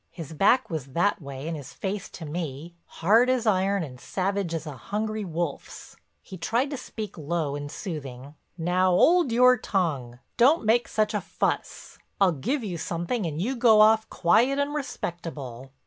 His back was that way and his face to me, hard as iron and savage as a hungry wolf's. He tried to speak low and soothing: "Now 'old your tongue, don't make such a fuss. I'll give you something and you go off quiet and respectable."